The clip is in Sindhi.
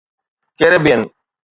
ڪيريبين